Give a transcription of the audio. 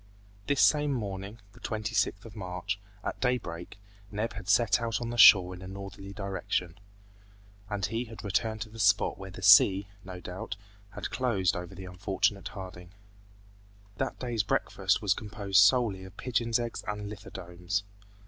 This same morning, the 26th of March, at daybreak, Neb had set out on the shore in a northerly direction, and he had returned to the spot where the sea, no doubt, had closed over the unfortunate Harding. That day's breakfast was composed solely of pigeon's eggs and lithodomes.